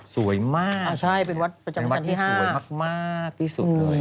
สวยมากเป็นวัดที่สวยมากที่สุดเลย